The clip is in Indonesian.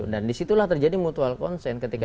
dan disitulah terjadi mutual consent ketika